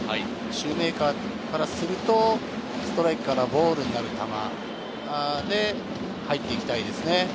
シューメーカーからするとストライクからボールになる球で入っていきたいですね。